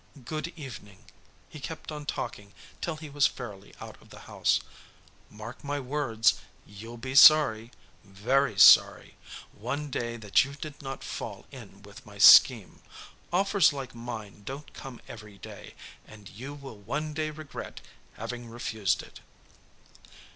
"Good evening" he kept on talking till he was fairly out of the house "mark my words, you'll be sorry very sorry one day that you did not fall in with my scheme. Offers like mine don't come every day, and you will one day regret having refused it."